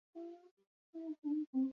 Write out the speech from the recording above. Dutxatu ondoren gosaria presaka jan zuen.